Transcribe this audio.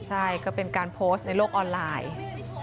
ใช่ก็เป็นการโพสต์ในโลกออนไลน์